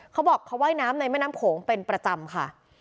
เขาบอกเขาว่ายน้ำในแม่น้ำโขงเป็นประจำค่ะ